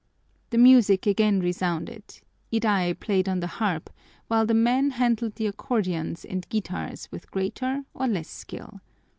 The music again resounded; Iday played on the harp, while the men handled the accordions and guitars with greater or less skill.